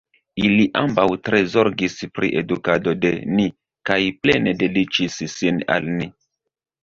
Ili ambaŭ tre zorgis pri edukado de ni kaj plene dediĉis sin al ni.